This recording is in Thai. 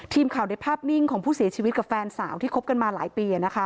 ทีมข่าวได้ภาพนิ่งของผู้เสียชีวิตกับแฟนสาวที่คบกันมาหลายปี